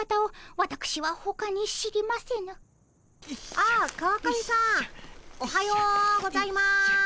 あっ川上さんおはようございます。